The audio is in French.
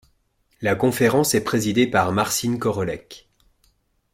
La conférence est présidée par Marcin Korolec.